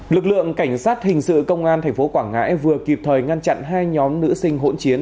lực lượng cảnh sát hình sự công an tp quảng ngãi vừa kịp thời ngăn chặn hai nhóm nữ sinh hỗn chiến